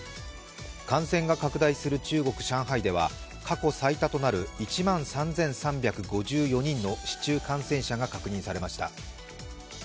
感染が拡大する中国・上海では過去最多となる１万３３５４人の市中感染者が確認されました。